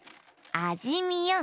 あじみよ！